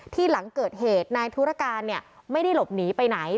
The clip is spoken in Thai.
หลังเกิดเหตุนายธุรการไม่ได้หลบหนีไปไหน